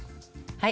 はい。